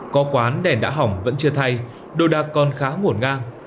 có quán đèn đã hỏng vẫn chưa thay đồ đạc còn khá ngổn ngang